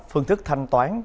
phương thức thanh toán